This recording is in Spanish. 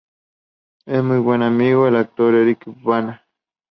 Es muy buen amigo del actor Eric Bana.